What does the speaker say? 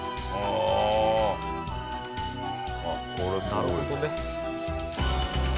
なるほどね。